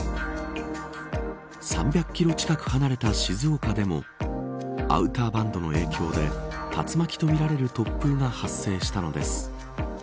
３００キロ近く離れた静岡でもアウターバンドの影響で竜巻とみられる突風が発生したのです。